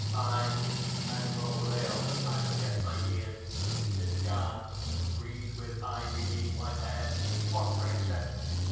Aye, men will rail that I forget my years, To dance and wreathe with ivy these white hairs; What recks it?